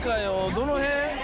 どの辺？